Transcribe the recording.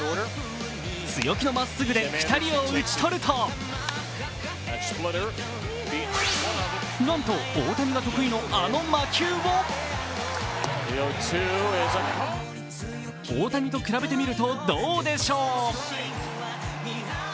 強気のまっすぐで２人を打ち取るとなんと大谷が得意のあの魔球を大谷と比べてみると、どうでしょう？